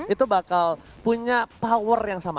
itu bakal punya power yang sama